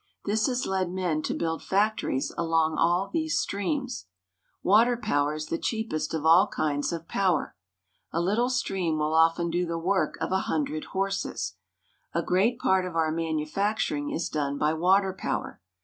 This has led men to build factories along all these streams. Water power is the cheapest of all kinds of power. A little stream will often do the work of a hun dred horses. A great part of our manufacturing is done by water power.